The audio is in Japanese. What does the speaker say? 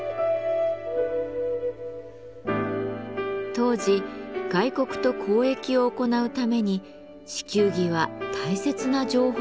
当時外国と交易を行うために地球儀は大切な情報源でした。